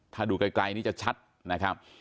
ถ้าดูไกลนี่จะชัดนะครับ